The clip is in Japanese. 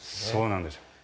そうなんですよ。